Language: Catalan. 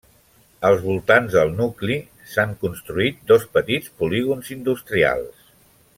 Als voltants del nucli s'han construït dos petits polígons industrials.